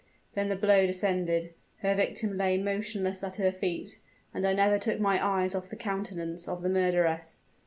Then the blow descended her victim lay motionless at her feet and I never took my eyes off the countenance of the murderess.